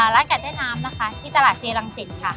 ร้านไก่ใต้น้ำนะคะที่ตลาดซีรังสิตค่ะ